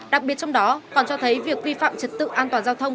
đặc biệt trong đó còn cho thấy việc vi phạm trật tự an toàn giao thông